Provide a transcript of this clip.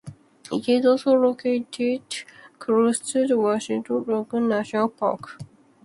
It is also located close to the Waterton Lakes National Park.